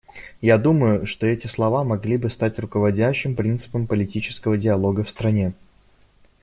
Я думаю, что эти слова могли бы стать руководящим принципом политического диалога в стране.